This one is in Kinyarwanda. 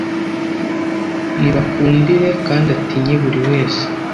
nibakundire kandi atinye buri wese